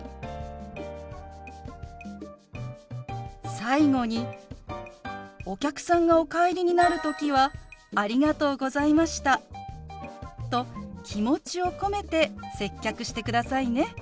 最後にお客さんがお帰りになる時は「ありがとうございました」と気持ちを込めて接客してくださいね。